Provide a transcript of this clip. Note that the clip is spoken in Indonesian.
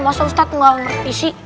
masa ustad gak ngerti sih